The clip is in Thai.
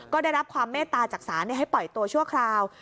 ก็ได้รับความเมตตาจากศาลให้ปล่อยตัวชั่วคราว